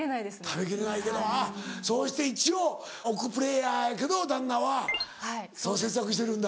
食べきれないけどそうして一応億プレーヤーやけど旦那は節約してるんだ。